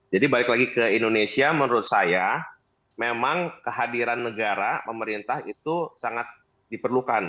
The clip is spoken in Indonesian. jadi balik lagi ke indonesia menurut saya memang kehadiran negara pemerintah itu sangat diperlukan